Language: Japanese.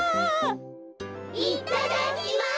いただきます！